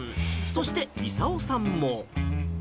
そして勲さんも。